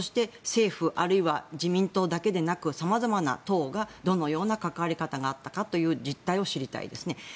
政府あるいは自民党だけでなく様々な党がどのような関わり方があったのかという実態が知りたいですね。